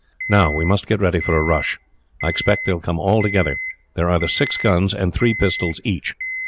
"Now, we must get ready for a rush. I expect they will come all together. There are the six guns, and three pistols each.